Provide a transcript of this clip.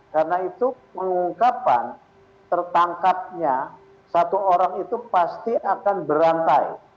karena itu mengungkapkan tertangkapnya satu orang itu pasti akan berantai